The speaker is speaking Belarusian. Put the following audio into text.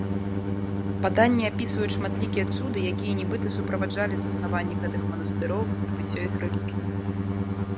Паданні апісваюць шматлікія цуды, якія нібыта суправаджалі заснаванні гэтых манастыроў і здабыццё іх рэліквій.